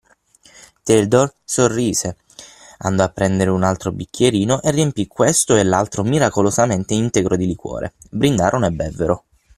Tildor sorrise, andò a prendere un altro bicchierino e riempì questo e l’altro miracolosamente integro di liquore: brindarono e bevvero.